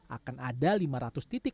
akan ada lima ratus titik